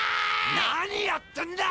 何やってんだ！？